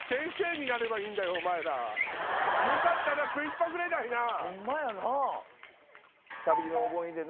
よかったな食いっぱぐれないな。